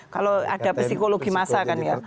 kalau ada psikologi masa kan ya